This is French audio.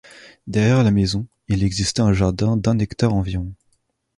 Derrière la maison, il existait un jardin d’un hectare environ.